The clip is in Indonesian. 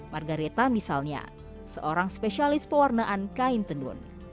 margaretha misalnya seorang spesialis pewarnaan kain tenun